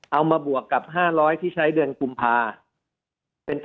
เอามาบวกกับ๕๐๐ที่ใช้เดือนกุมภาพันธ์